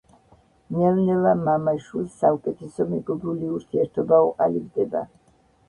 ნელ-ნელა მამა-შვილს საუკეთესო მეგობრული ურთიერთობა უყალიბდება.